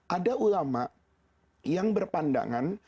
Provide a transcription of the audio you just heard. ada ulama yang berpandangan